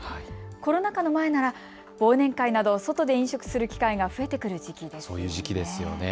コロナ禍の前なら忘年会など外で飲食する機会が増えてくる時期ですよね。